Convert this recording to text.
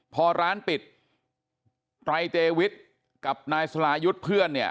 พอร้านปิดตรายเจวิทธ์กับนายสรายุทธ์เพื่อน